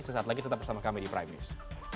sesaat lagi tetap bersama kami di prime news